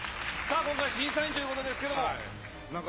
今回、審査員ということですなんか